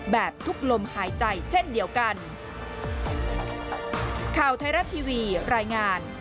แบบทุกลมหายใจเช่นเดียวกัน